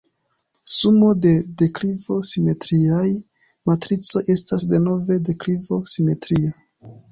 Sumo de deklivo-simetriaj matricoj estas denove deklivo-simetria.